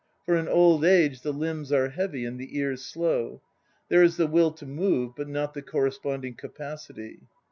For in old age the limbs are heavy and the ears slow; there is the will to move but not the corresponding capacity.